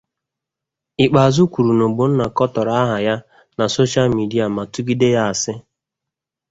Ikpeazu kwuru na Ogbonna kọtọrọ aha ya na soshal midia ma tụgide ya asị.